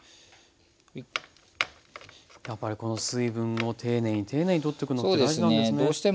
やっぱりこの水分も丁寧に丁寧に取っておくのって大事なんですね。